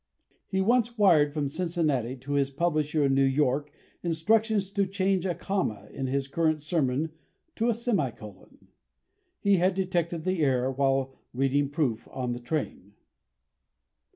He once wired from Cincinnati to his publisher in New York instructions to change a comma in his current sermon to a semicolon. He had detected the error while reading proof on the train."